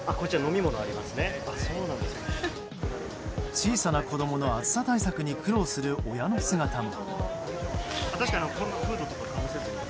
小さな子供の暑さ対策に苦労する親の姿も。